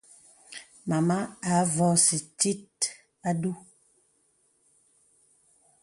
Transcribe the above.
Màma à avɔ̄sì tit a du.